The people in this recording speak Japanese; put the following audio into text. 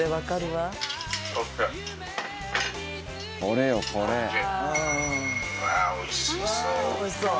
わあ、おいしそう。